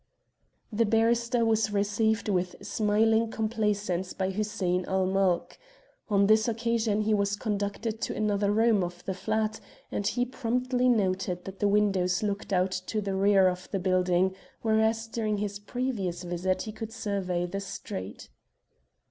The barrister was received with smiling complacence by Hussein ul Mulk. On this occasion he was conducted to another room of the flat, and he promptly noted that the windows looked out to the rear of the building, whereas during his previous visit he could survey the street.